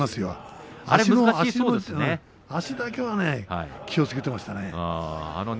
足だけはね気をつけていましたね。